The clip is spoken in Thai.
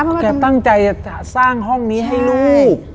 แกตั้งใจจะสร้างห้องนี้ให้ลูก